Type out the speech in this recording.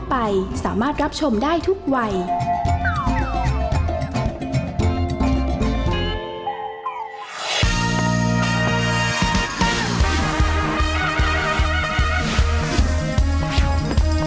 แม่บ้านประจำบาน